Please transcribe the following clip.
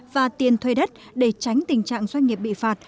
và tiền thuê đất để tránh tình trạng doanh nghiệp bị phạt